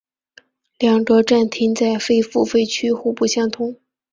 两个站厅在非付费区互不相通。